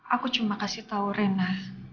aku cuma kasih tau rena